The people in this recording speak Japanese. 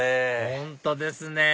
本当ですね